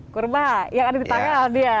kurma ya kan di tanggal dia